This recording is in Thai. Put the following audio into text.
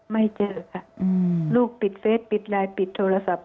ไม่เจอค่ะลูกปิดเฟสปิดไลน์ปิดโทรศัพท์